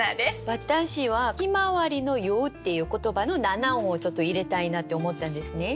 私は「ひまわりのよう」っていう言葉の七音をちょっと入れたいなって思ったんですね。